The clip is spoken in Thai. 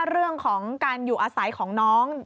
เรื่องของการอยู่อาศัยของน้อง